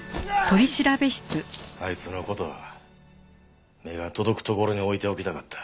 あいつの事は目が届くところに置いておきたかった。